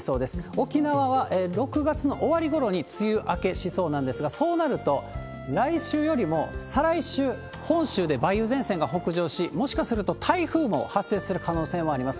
沖縄は６月の終わりごろに梅雨明けしそうなんですが、そうなると、来週よりも再来週、本州で梅雨前線が北上し、もしかすると台風も発生する可能性もあります。